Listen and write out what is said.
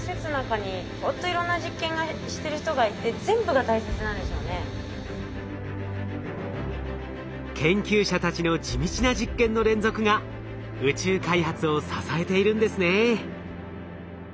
当たり前ですけど研究者たちの地道な実験の連続が宇宙開発を支えているんですね。